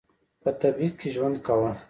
په تبعید کې ژوند کاوه.